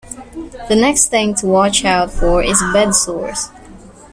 The next thing to watch out for is bed sores.